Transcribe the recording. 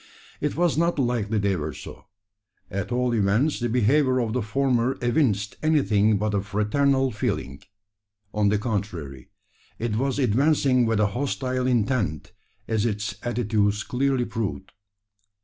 It was not likely they were so. At all events the behaviour of the former evinced anything but a fraternal feeling. On the contrary, it was advancing with a hostile intent, as its attitudes clearly proved.